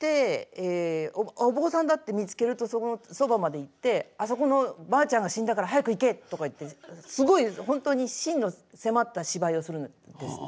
あっお坊さんだって見つけるとそばまで行って「あそこのばあちゃんが死んだから早く行け」とか言ってすごい本当に真の迫った芝居をするんですって。